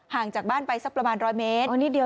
งจากบ้านไปสักประมาณ๑๐๐เมตร